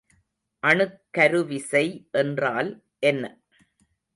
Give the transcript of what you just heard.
அணுக்கருவிசை என்றால் என்ன?